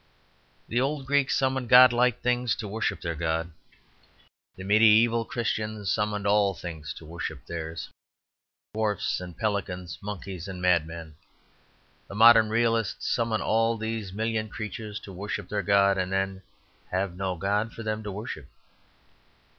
The old Greeks summoned godlike things to worship their god. The medieval Christians summoned all things to worship theirs, dwarfs and pelicans, monkeys and madmen. The modern realists summon all these million creatures to worship their god; and then have no god for them to worship.